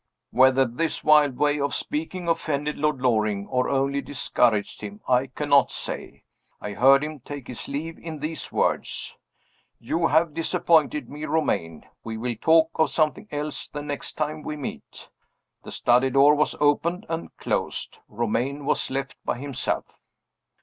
Whether this wild way of speaking offended Lord Loring, or only discouraged him, I cannot say. I heard him take his leave in these words: "You have disappointed me, Romayne. We will talk of something else the next time we meet." The study door was opened and closed. Romayne was left by himself.